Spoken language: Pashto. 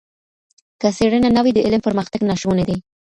که څېړنه نه وي د علم پرمختګ ناشونی دی.